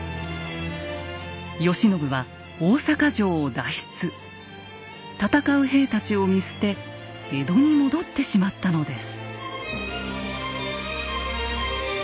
慶喜は戦う兵たちを見捨て江戸に戻ってしまったのです。